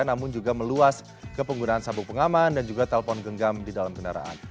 namun juga meluas ke penggunaan sabuk pengaman dan juga telpon genggam di dalam kendaraan